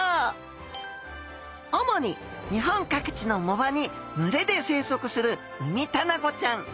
主に日本各地の藻場に群れで生息するウミタナゴちゃん。